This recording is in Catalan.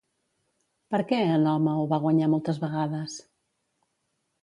Per què Enòmau va guanyar moltes vegades?